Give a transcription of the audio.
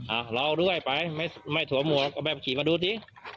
อ่ะเราด้วยไปไม่ไม่สวมหวกก็แบบขี่มาดูดิ